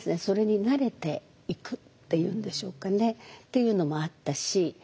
それに慣れていくっていうんでしょうかねっていうのもあったし。